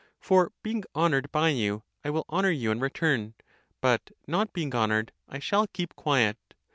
For being honoured by you, I will honour you (in return); but not being honoured, I shall keep quiet.